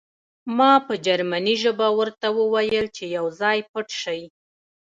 ما په جرمني ژبه ورته وویل چې یو ځای پټ شئ